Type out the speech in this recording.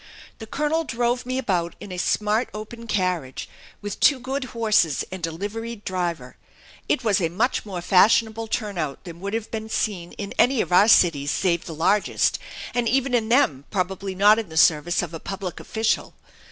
The colonel drove me about in a smart open carriage, with two good horses and a liveried driver. It was a much more fashionable turnout than would be seen in any of our cities save the largest, and even in them probably not in the service of a public official.